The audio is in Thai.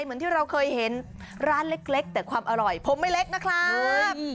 เหมือนที่เราเคยเห็นร้านเล็กแต่ความอร่อยผมไม่เล็กนะครับ